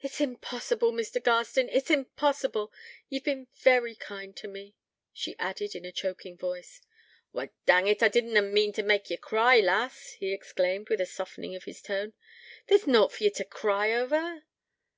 'It's impossible, Mr. Garstin, it's impossible. Ye've been very kind to me ' she added, in a choking voice. 'Wa dang it, I didna mean t' mak ye cry, lass,' he exclaimed, with a softening of his tone. 'There's nought for ye t' cry ower.'